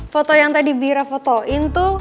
foto yang tadi bira fotoin tuh